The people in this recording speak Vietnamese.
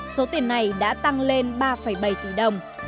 số tiền này đã tăng lên ba bảy tỷ đồng